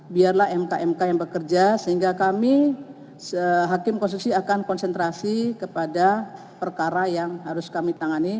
biarlah mk mk yang bekerja sehingga kami hakim konstitusi akan konsentrasi kepada perkara yang harus kami tangani